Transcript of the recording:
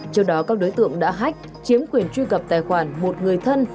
trước đó các đối tượng đã hách chiếm quyền truy cập tài khoản một người thân